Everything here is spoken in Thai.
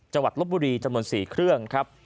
จังหวัดลบบุรีจำนวน๔เครื่องครับ